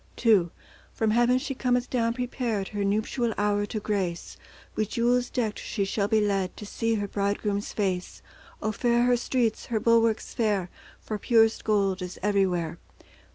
II From heaven she cometh down prepared Her nuptial hour to grace; With jewels decked she shall be led To see her Bridegroom's face. O fair her streets, her bulwarks fair, For purest gold is everywhere.